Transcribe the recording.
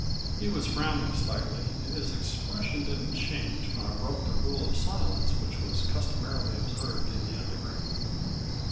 He was frowning slightly and his expression didn't change when I broke the rule of silence which was customarily observed in the Underground.